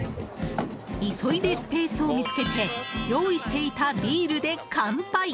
急いでスペースを見つけて用意していたビールで乾杯。